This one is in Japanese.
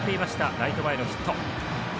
ライト前のヒット。